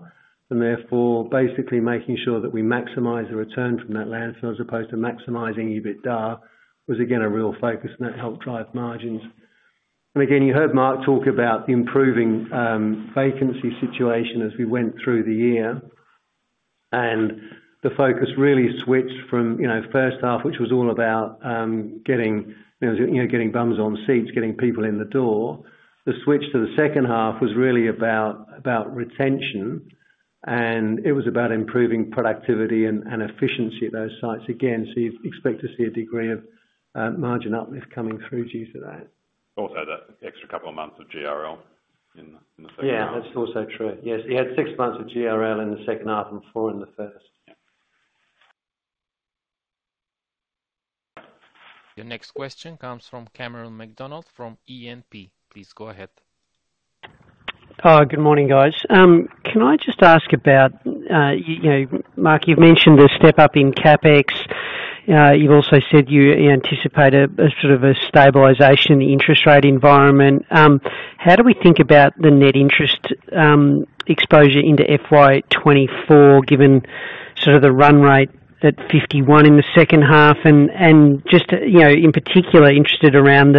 and therefore, basically making sure that we maximize the return from that landfill as opposed to maximizing EBITDA was again, a real focus, and that helped drive margins. Again, you heard Mark talk about the improving vacancy situation as we went through the year, and the focus really switched from, you know, first half, which was all about getting, you know, getting bums on seats, getting people in the door. The switch to the second half was really about, about retention, and it was about improving productivity and efficiency at those sites again, so you'd expect to see a degree of margin uplift coming through due to that. That extra couple of months of GRL in the, in the second half. Yeah, that's also true. Yes, he had 6 months of GRL in the second half and 4 in the first. Yeah. Your next question comes from Cameron McDonald, from E&P. Please go ahead. Good morning, guys. Can I just ask about, you know, Mark, you've mentioned the step up in CapEx. You've also said you anticipate a sort of a stabilization in the interest rate environment. How do we think about the net interest exposure into FY24, given sort of the run rate at 51 in the second half? Just, you know, in particular, interested around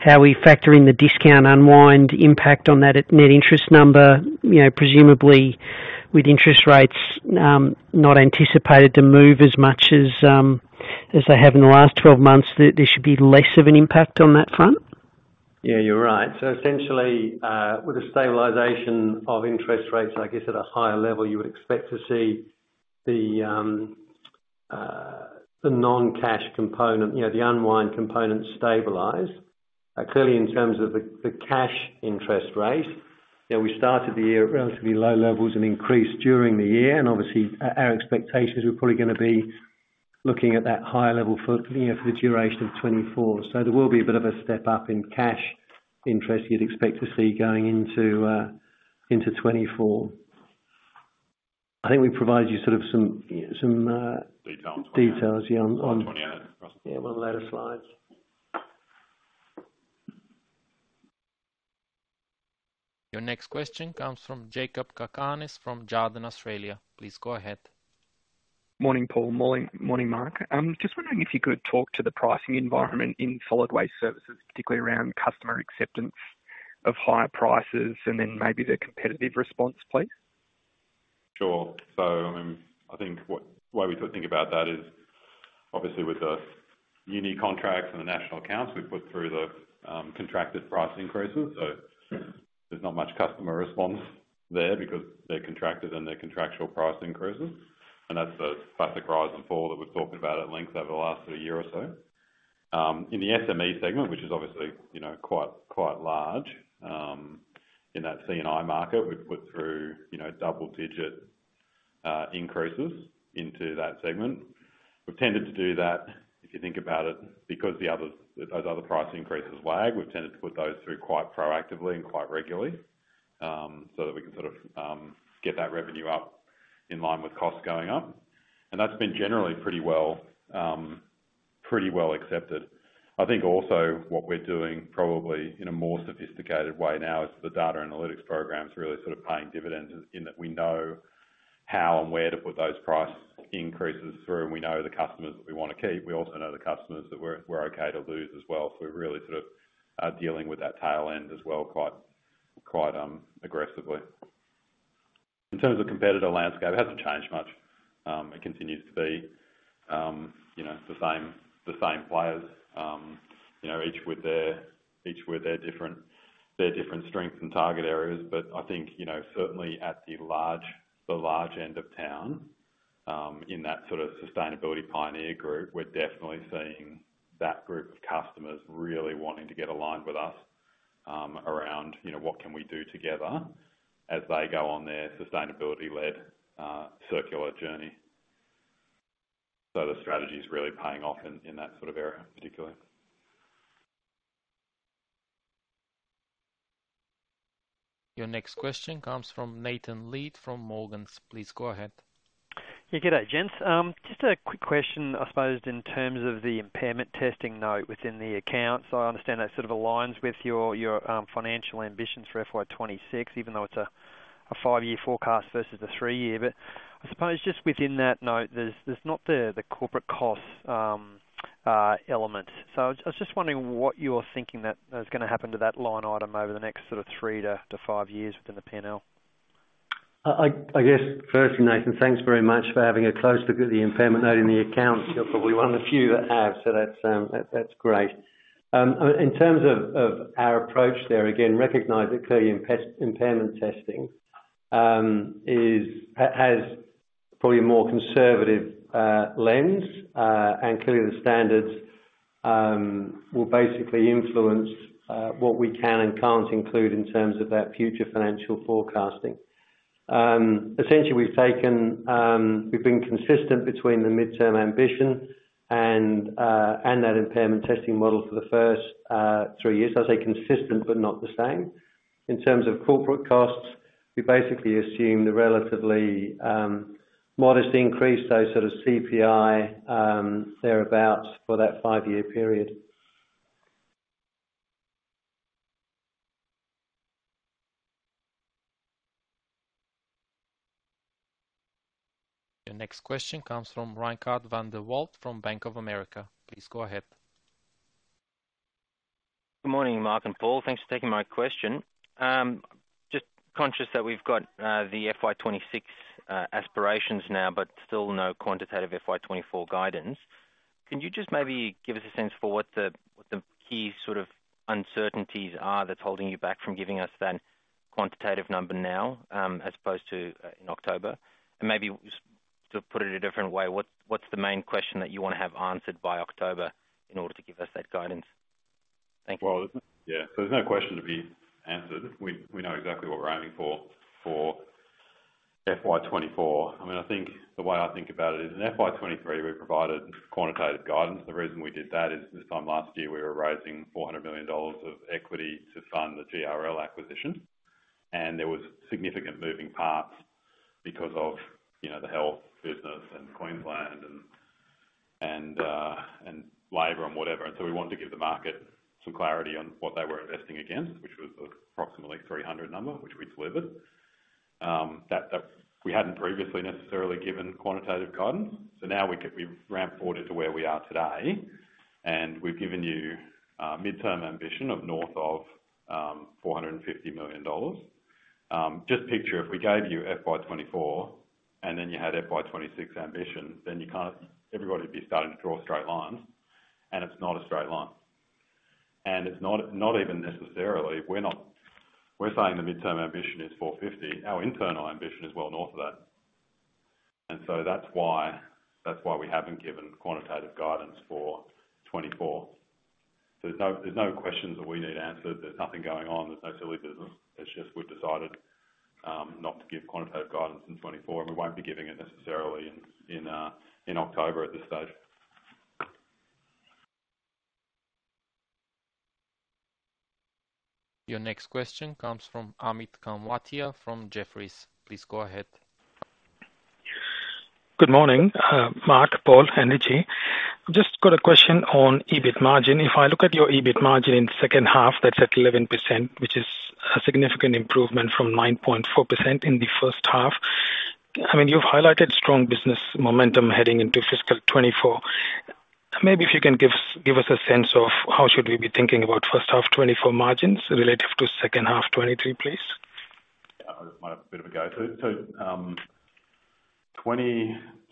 how we factor in the discount unwind impact on that at net interest number. You know, presumably with interest rates not anticipated to move as much as they have in the last 12 months, there should be less of an impact on that front. You're right. Essentially, with the stabilization of interest rates, I guess, at a higher level, you would expect to see the non-cash component, you know, the unwind component stabilize. Clearly, in terms of the cash interest rate, yeah, we started the year at relatively low levels and increased during the year, and obviously, our expectations were probably gonna be looking at that higher level for, you know, for the duration of 2024. There will be a bit of a step up in cash interest you'd expect to see going into 2024. I think we provided you sort of some, some, Details. details, yeah, on, on On 2024. Yeah, one of the later slides. Your next question comes from Jakob Cakarnis from Jarden, Australia. Please go ahead. Morning, Paul. Morning, morning, Mark. Just wondering if you could talk to the pricing environment in Solid Waste Services, particularly around customer acceptance of higher prices and then maybe the competitive response, please? Sure. I mean, I think way we sort of think about that is obviously with the uni contracts and the national accounts, we put through the contracted price increases. There's not much customer response there because they're contracted and they're contractual price increases, and that's the classic rise and fall that we've talked about at length over the last year or so. In the SME segment, which is obviously, you know, quite, quite large, in that C&I market, we've put through, you know, double-digit increases into that segment. We've tended to do that, if you think about it, because those other price increases lag, we've tended to put those through quite proactively and quite regularly, so that we can sort of get that revenue up in line with costs going up. That's been generally pretty well, pretty well accepted. I think also what we're doing probably in a more sophisticated way now, is the data analytics program is really sort of paying dividends in that we know how and where to put those price increases through, and we know the customers that we want to keep. We also know the customers that we're, we're okay to lose as well. We're really sort of, dealing with that tail end as well, quite, quite, aggressively. In terms of competitor landscape, it hasn't changed much. It continues to be, you know, the same, the same players, you know, each with their, each with their different, their different strengths and target areas. I think, you know, certainly at the large, the large end of town, in that sort of sustainability pioneer group, we're definitely seeing that group of customers really wanting to get aligned with us, around, you know, what can we do together as they go on their sustainability-led, circular journey. The strategy is really paying off in, in that sort of area particularly. Your next question comes from Nathan Lead from Morgans. Please go ahead. Yeah. Good day, gents. just a quick question, I suppose, in terms of the impairment testing note within the accounts, I understand that sort of aligns with your, your, financial ambitions for FY26, even though it's a 5-year forecast versus a 3-year. I suppose just within that note, there's, there's not the, the corporate cost, element. I was just wondering what you're thinking that is gonna happen to that line item over the next sort of 3 to 5 years within the P&L. I, I guess, firstly, Nathan, thanks very much for having a close look at the impairment note in the accounts. You're probably one of the few that have, so that's, that's, that's great. In terms of, of our approach there, again, recognize that clearly impairment testing has probably a more conservative lens. Clearly the standards will basically influence what we can and can't include in terms of that future financial forecasting. Essentially, we've taken, we've been consistent between the midterm ambition and that impairment testing model for the first 3 years. I'd say consistent, not the same. In terms of corporate costs, we basically assume the relatively modest increase, those sort of CPI, thereabout for that 5-year period. Your next question comes from Reinhardt van der Walt from Bank of America. Please go ahead. Good morning, Mark and Paul. Thanks for taking my question. Just conscious that we've got the FY26 aspirations now, but still no quantitative FY24 guidance. Can you just maybe give us a sense for what the, the key sort of uncertainties are that's holding you back from giving us that quantitative number now, as opposed to in October? Maybe just to put it a different way, what's, what's the main question that you want to have answered by October in order to give us that guidance? Thank you. Well, yeah. There's no question to be answered. We, we know exactly what we're aiming for for FY24. I mean, I think the way I think about it is in FY23, we provided quantitative guidance. The reason we did that is this time last year, we were raising 400 million dollars of equity to fund the GRL acquisition, there was significant moving parts because of, you know, the health business and Queensland and, and labor and whatever. We wanted to give the market some clarity on what they were investing against, which was approximately 300 million, which we delivered. That, that we hadn't previously necessarily given quantitative guidance. Now we can-- we've ramped forward to where we are today, we've given you midterm ambition of north of 450 million dollars. Just picture if we gave you FY24 and then you had FY26 ambition, then you can't. Everybody would be starting to draw straight lines. It's not a straight line. It's not, not even necessarily, we're not. We're saying the midterm ambition is 450 million. Our internal ambition is well north of that. That's why, that's why we haven't given quantitative guidance for 24. There's no, there's no questions that we need answered. There's nothing going on. There's no silly business. It's just we've decided not to give quantitative guidance in 24, and we won't be giving it necessarily in, in October at this stage. Your next question comes from Amit Kanwatia from Jefferies. Please go ahead. Good morning, Mark, Paul, Energy. Just got a question on EBIT margin. If I look at your EBIT margin in second half, that's at 11%, which is a significant improvement from 9.4% in the first half. I mean, you've highlighted strong business momentum heading into fiscal 2024. Maybe if you can give us a sense of how should we be thinking about first half 2024 margins relative to second half 2023, please? Yeah, I'll have a bit of a go.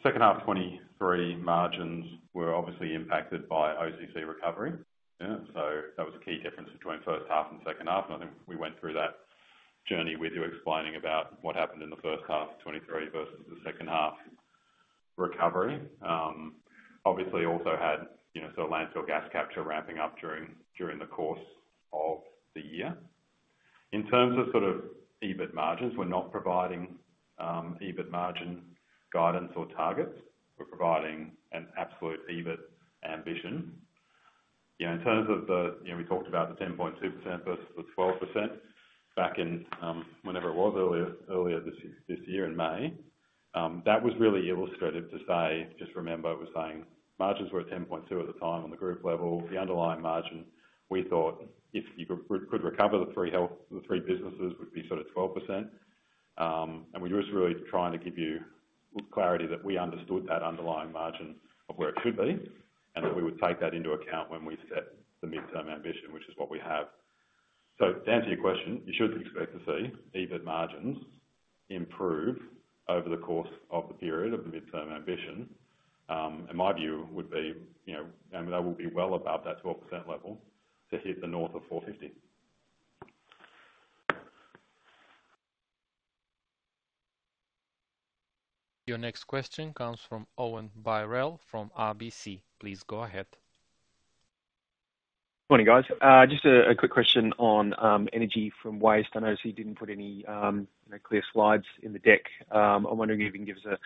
Second half 2023 margins were obviously impacted by OCC recovery. That was a key difference between first half and second half, and I think we went through that journey with you, explaining about what happened in the first half of 2023 versus the second half recovery. Obviously also had, you know, landfill gas capture ramping up during the course of the year. In terms of sort of EBIT margins, we're not providing EBIT margin guidance or targets. We're providing an absolute EBIT ambition. You know, in terms of the, you know, we talked about the 10.2% versus the 12% back in whenever it was earlier, earlier this year, this year in May. That was really illustrative to say... Just remember, it was saying margins were at 10.2 at the time on the group level. The underlying margin, we thought if you could, could recover the three health, the three businesses would be sort of 12%. We were just really trying to give you clarity that we understood that underlying margin of where it could be, and that we would take that into account when we set the midterm ambition, which is what we have. To answer your question, you should expect to see EBIT margins improve over the course of the period of the midterm ambition. My view would be, you know, I mean, that will be well above that 12% level to hit the north of 450. Your next question comes from Owen Birrell from RBC. Please go ahead. Morning, guys. just a quick question on energy from waste. I noticed you didn't put any, you know, clear slides in the deck. I'm wondering if you can give us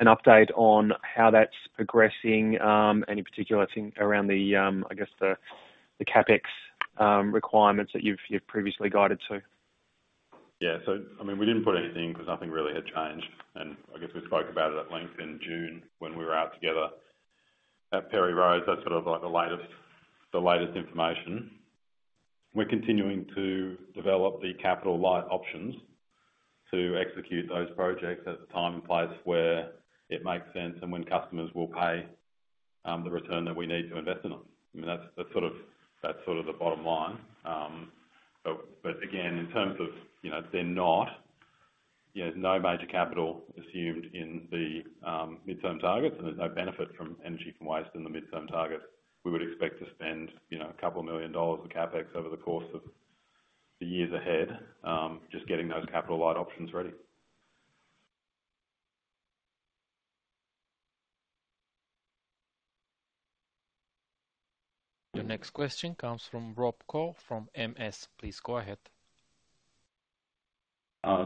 an update on how that's progressing, any particular things around the, I guess, the CapEx requirements that you've, you've previously guided to? Yeah. I mean, we didn't put anything because nothing really had changed, and I guess we spoke about it at length in June when we were out together at Perry Road. That's sort of, like, the latest, the latest information. We're continuing to develop the capital light options to execute those projects at the time and place where it makes sense and when customers will pay the return that we need to invest in them. I mean, that's, that's sort of, that's sort of the bottom line. But again, in terms of, you know, Yeah, no major capital assumed in the midterm targets, and there's no benefit from energy from waste in the midterm target. We would expect to spend, you know, 2 million dollars of CapEx over the course of the years ahead, just getting those capital light options ready. The next question comes from Rob Coe from Morgan Stanley. Please go ahead.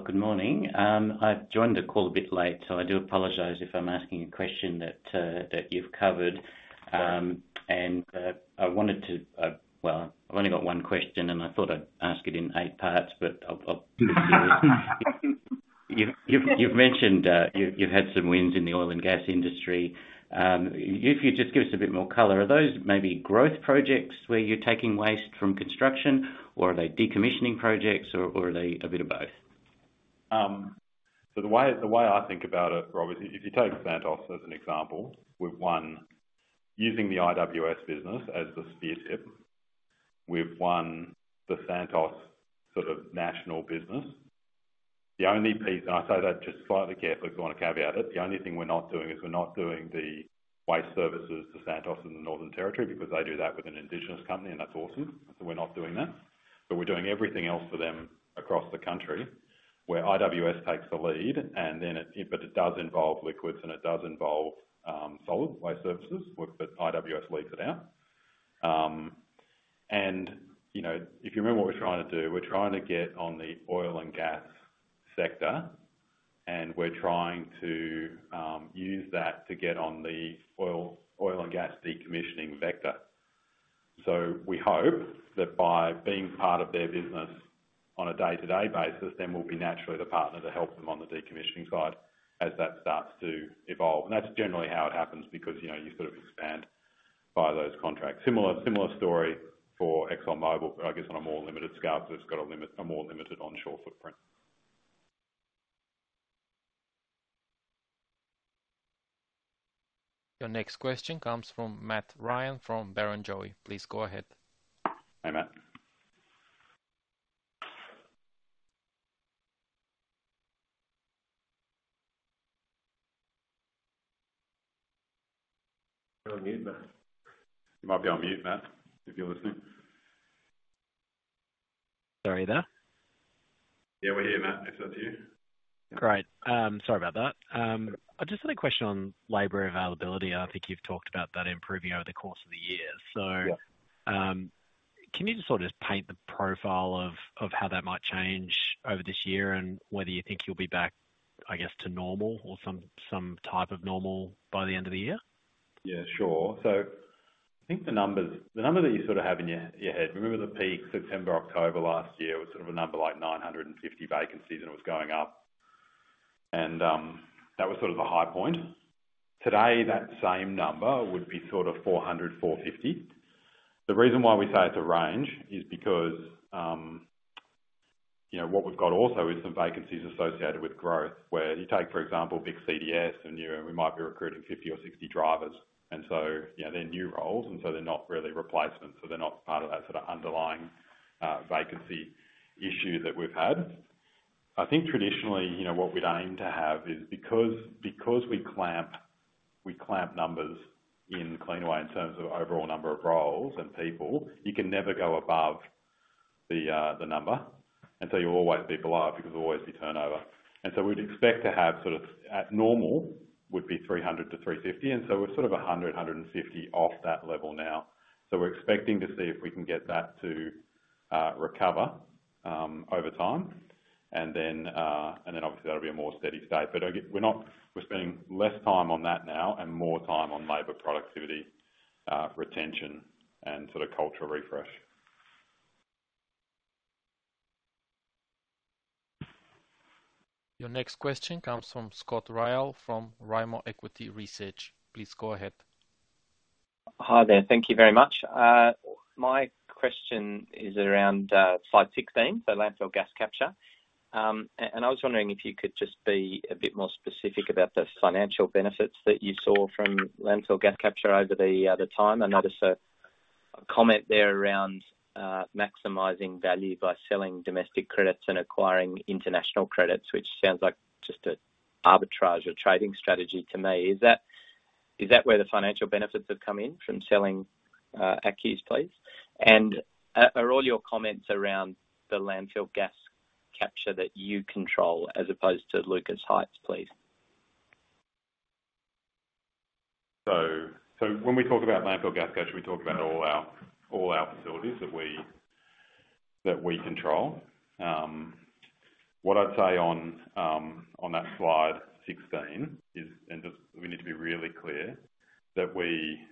Good morning. I've joined the call a bit late, so I do apologize if I'm asking a question that you've covered. I wanted to, well, I've only got one question, and I thought I'd ask it in eight parts, but You've mentioned you've had some wins in the oil and gas industry. If you just give us a bit more color, are those maybe growth projects where you're taking waste from construction, or are they decommissioning projects, or, or are they a bit of both? The way, the way I think about it, Rob, is if you take Santos as an example, we've won using the IWS business as the spear tip. We've won the Santos sort of national business. The only piece. I say that just slightly carefully because I want to caveat it. The only thing we're not doing is we're not doing the waste services to Santos in the Northern Territory because they do that with an Indigenous company, and that's awesome. We're not doing that, but we're doing everything else for them across the country, where IWS takes the lead, and then but it does involve liquids, and it does involve solid waste services, but, but IWS leads it out. You know, if you remember what we're trying to do, we're trying to get on the oil and gas sector, and we're trying to use that to get on the oil, oil and gas decommissioning vector. We hope that by being part of their business on a day-to-day basis, then we'll be naturally the partner to help them on the decommissioning side as that starts to evolve. That's generally how it happens, because, you know, you sort of expand by those contracts. Similar, similar story for ExxonMobil, but I guess on a more limited scale, so it's got a more limited onshore footprint. Your next question comes from Matthew Ryan from Barrenjoey. Please go ahead. Hi, Matt. You're on mute, Matt. You might be on mute, Matt, if you're listening. Sorry, there? Yeah, we're here, Matt. If that's you. Great. sorry about that. I just had a question on labor availability. I think you've talked about that improving over the course of the year. Can you just sort of paint the profile of, of how that might change over this year and whether you think you'll be back, I guess, to normal or some, some type of normal by the end of the year? Yeah, sure. I think the numbers, the number that you sort of have in your, your head, remember the peak September, October last year, was sort of a number like 950 vacancies, and it was going up. That was sort of the high point. Today, that same number would be sort of 400, 450. The reason why we say it's a range is because, you know, what we've got also is some vacancies associated with growth, where you take, for example, Vic CDS, and, you know, we might be recruiting 50 or 60 drivers. So, you know, they're new roles, and so they're not really replacements, so they're not part of that sort of underlying vacancy issue that we've had. I think traditionally, you know, what we'd aim to have is because, because we clamp, we clamp numbers in Cleanaway in terms of overall number of roles and people, you can never go above the number, and so you'll always be below it because there'll always be turnover. We'd expect to have sort of at normal, would be 300-350, and so we're sort of 100-150 off that level now. We're expecting to see if we can get that to recover over time. Obviously that'll be a more steady state. Again, we're spending less time on that now and more time on labor productivity, retention, and sort of cultural refresh. Your next question comes from Scott Ryall, from Rimor Equity Research. Please go ahead. Hi there. Thank you very much. My question is around Slide 16, so landfill gas capture. And I was wondering if you could just be a bit more specific about the financial benefits that you saw from landfill gas capture over the time. I noticed a comment there around maximizing value by selling domestic credits and acquiring international credits, which sounds like just a arbitrage or trading strategy to me. Is that, is that where the financial benefits have come in from selling ACCUs, please? Are all your comments around the landfill gas capture that you control as opposed to Lucas Heights, please? When we talk about landfill gas capture, we talk about all our, all our facilities that we, that we control. What I'd say on that Slide 16 is, just we need to be really clear, that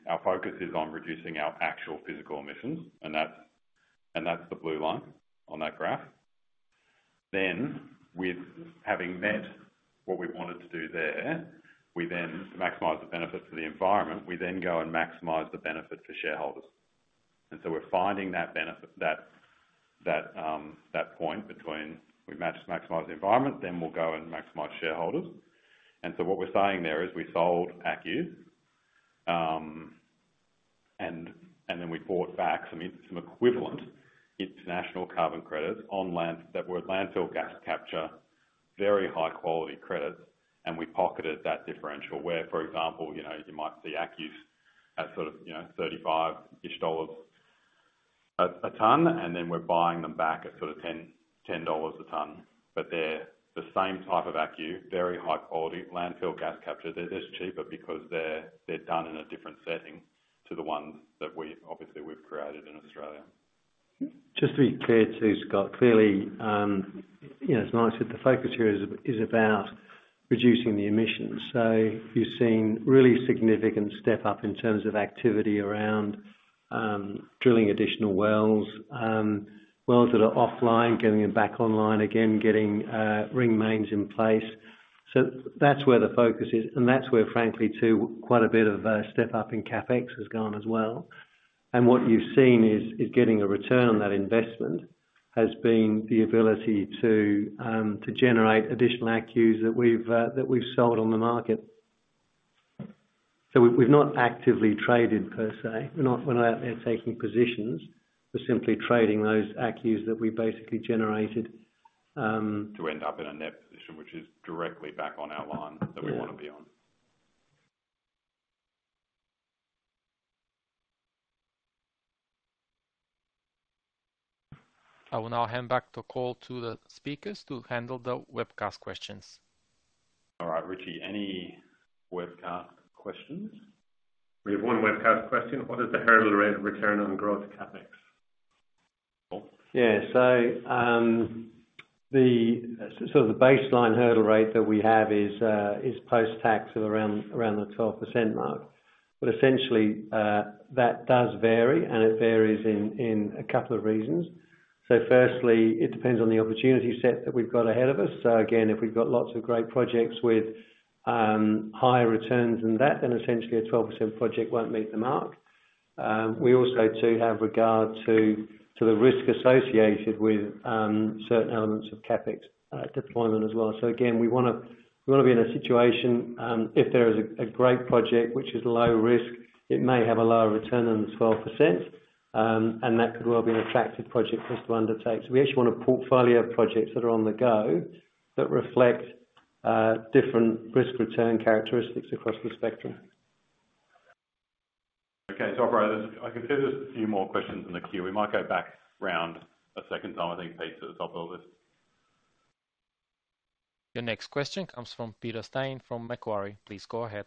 our focus is on reducing our actual physical emissions, and that's, and that's the blue line on that graph. With having met what we wanted to do there, we then maximize the benefit for the environment, we then go and maximize the benefit for shareholders. We're finding that benefit, that, that point between we maximize the environment, then we'll go and maximize shareholders. What we're saying there is, we sold ACCUs, and then we bought back some, some equivalent international carbon credits that were landfill gas capture, very high-quality credits, and we pocketed that differential. Where, for example, you know, you might see ACCUs at sort of, you know, 35-ish dollars a ton, and then we're buying them back at sort of 10 dollars, 10 dollars a ton. They're the same type of ACCU, very high quality, landfill gas capture. They're just cheaper because they're done in a different setting to the ones that obviously we've created in Australia. Just to be clear, too, Scott. Clearly, you know, as Mark said, the focus here is, is about reducing the emissions. You've seen really significant step up in terms of activity around drilling additional wells, wells that are offline, getting them back online again, getting ring mains in place. That's where the focus is, and that's where, frankly, too, quite a bit of step up in CapEx has gone as well. What you've seen is, is getting a return on that investment, has been the ability to generate additional ACCUs that we've that we've sold on the market. We've, we've not actively traded per se. We're not, we're not out there taking positions. We're simply trading those ACCUs that we basically generated. To end up in a net position, which is directly back on our line that we wanna be on. I will now hand back the call to the speakers to handle the webcast questions. All right, Richie, any webcast questions? We have one webcast question: What is the hurdle rate of return on growth CapEx? Paul? Yeah. The so the baseline hurdle rate that we have is post-tax of around, around the 12% mark. Essentially, that does vary, and it varies in a couple of reasons. Firstly, it depends on the opportunity set that we've got ahead of us. Again, if we've got lots of great projects with higher returns than that, then essentially a 12% project won't meet the mark. We also too, have regard to, to the risk associated with certain elements of CapEx deployment as well. Again, we wanna, we wanna be in a situation, if there is a, a great project which is low risk, it may have a lower return than the 12%, and that could well be an attractive project for us to undertake. We actually want a portfolio of projects that are on the go, that reflect different risk-return characteristics across the spectrum. Okay. operator, I can see there's a few more questions in the queue. We might go back around a second time, I think, Peter, to top it all this. Your next question comes from Peter Steyn, from Macquarie. Please go ahead.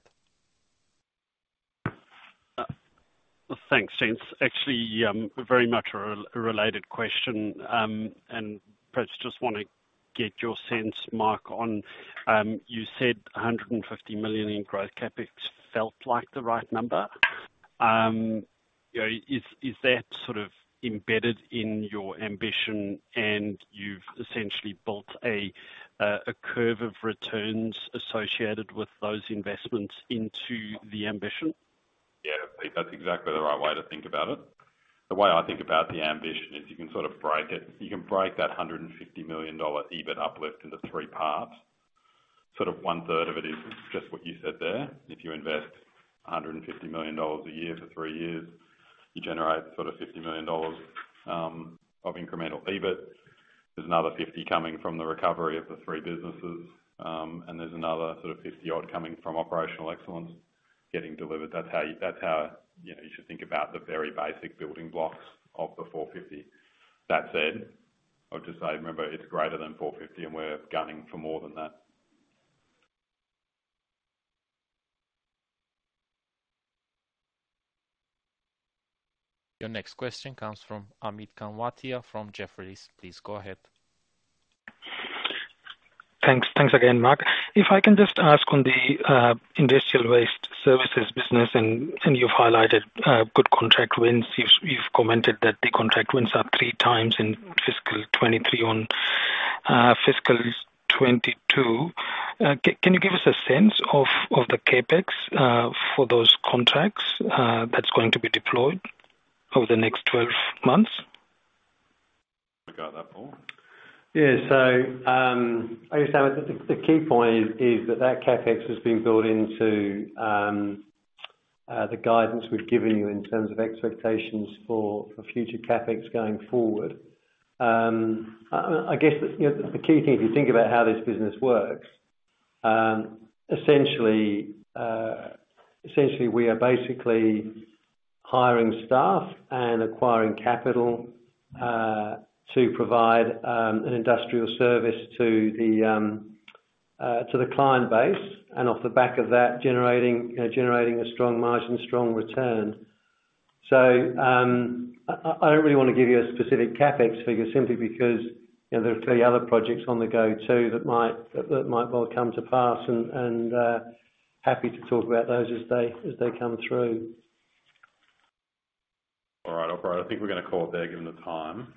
Thanks, James. Actually, very much a related question, and perhaps just want to get your sense, Mark, on, you said 150 million in growth CapEx felt like the right number. You know, is that sort of embedded in your ambition, and you've essentially built a curve of returns associated with those investments into the ambition? Yeah, Pete, that's exactly the right way to think about it. The way I think about the ambition is you can sort of break it. You can break that 150 million dollar EBIT uplift into three parts. Sort of one third of it is just what you said there. If you invest 150 million dollars a year for three years, you generate sort of 50 million dollars of incremental EBIT. There's another 50 coming from the recovery of the three businesses, and there's another sort of 50 odd coming from operational excellence getting delivered. That's how, that's how, you know, you should think about the very basic building blocks of the 450. That said, I'll just say, remember, it's greater than 450, and we're gunning for more than that. Your next question comes from Amit Kanwatia from Jefferies. Please go ahead. Thanks. Thanks again, Mark. If I can just ask on the Industrial & Waste Services business, and you've highlighted good contract wins. You've commented that the contract wins are 3 times in FY23 on FY22. Can you give us a sense of the CapEx for those contracts that's going to be deployed over the next 12 months? You got that, Paul? I understand the key point is that that CapEx has been built into the guidance we've given you in terms of expectations for future CapEx going forward. I guess the, you know, the key thing, if you think about how this business works, essentially, essentially, we are basically hiring staff and acquiring capital to provide an industrial service to the client base, and off the back of that, generating, you know, generating a strong margin, strong return. I don't really wanna give you a specific CapEx figure simply because, you know, there are three other projects on the go, too, that might, that, that might well come to pass, and happy to talk about those as they, as they come through. All right, operator, I think we're gonna call it there, given the time.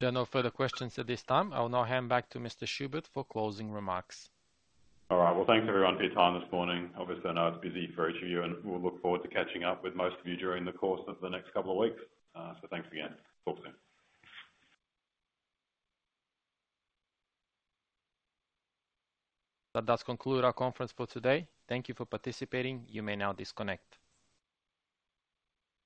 There are no further questions at this time. I'll now hand back to Mr. Schubert for closing remarks. All right. Well, thanks, everyone, for your time this morning. Obviously, I know it's busy for each of you. We'll look forward to catching up with most of you during the course of the next couple of weeks. Thanks again. Talk soon. That does conclude our conference for today. Thank you for participating. You may now disconnect.